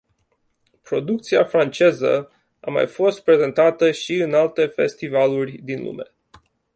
Producția franceză a mai fost prezentată și în alte festivaluri din lume.